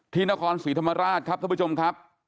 ที่นครศรีธรรมราชครับท่านผู้ชมครับ